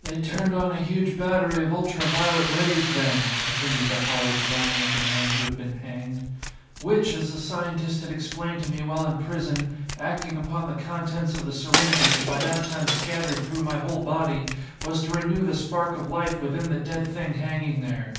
"They turned on a huge battery of ultra violet rays then," continued the hollow droning of the man who had been hanged, "which, as the scientist had explained to me while in prison, acting upon the contents of the syringes, by that time scattered through my whole body, was to renew the spark of life within the dead thing hanging there.